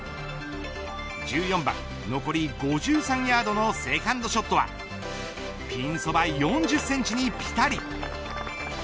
１４番、残り５３ヤードのセカンドショットはピンそば４０センチにぴたり。